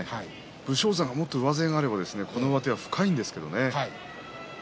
武将山はもっと上背があればこの上手が深いんですけどね。